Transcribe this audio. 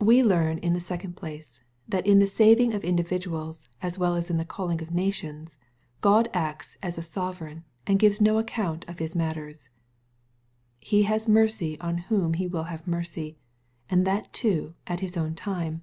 We learn, in the second place, that in the saving of individuaJs^ as well as in the coiling of nations j Chd acts as a sovereigny and gives no account of His maUers, He has mercy on whom He will have mercy, and that too at His own time.